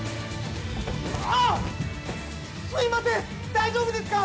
すいません大丈夫ですか！？